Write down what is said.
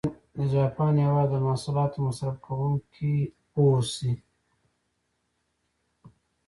د جاپان هېواد د محصولاتو مصرف کوونکي و اوسي.